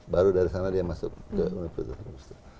baru dari sana dia masuk ke universitas